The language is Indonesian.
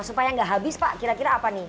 supaya nggak habis pak kira kira apa nih